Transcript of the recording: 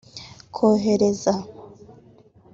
kohereza